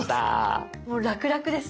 もうラクラクですね。